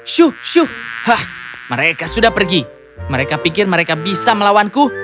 syuh syuk mereka sudah pergi mereka pikir mereka bisa melawanku